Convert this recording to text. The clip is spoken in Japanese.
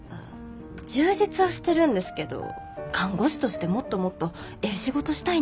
充実はしてるんですけど看護師としてもっともっとええ仕事したいんです。